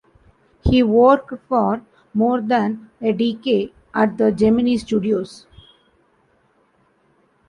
He worked for more than a decade at the Gemini Studios.